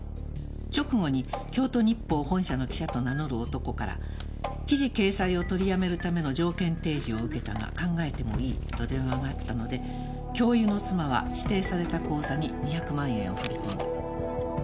「直後に京都日報本社の記者と名乗る男から記事掲載をとりやめるための条件提示を受けたが考えてもいいと電話があったので教諭の妻は指定された口座に２００万円を振り込んだ」